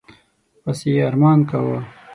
پسي یې ارمان کاوه.